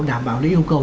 đảm bảo lấy yêu cầu